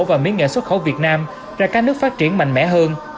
và mỹ nghệ xuất khẩu việt nam ra các nước phát triển mạnh mẽ hơn